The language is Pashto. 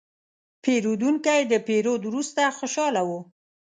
پیرودونکی د پیرود وروسته خوشاله و.